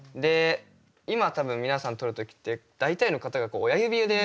今多分皆さん撮る時って大体の方がこう親指で。